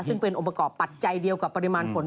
ซึ่งเป็นองค์ประกอบปัจจัยเดียวกับปริมาณฝน